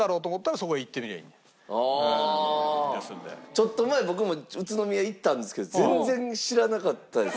ちょっと前僕も宇都宮行ったんですけど全然知らなかったです。